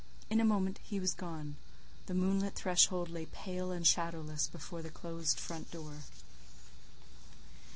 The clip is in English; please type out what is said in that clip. In a moment he was gone; the moonlit threshold lay pale and shadowless before the closed front door.